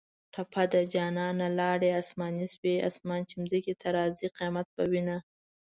ټپه ده: جانانه لاړې اسماني شوې اسمان چې ځمکې ته راځۍ قیامت به وینه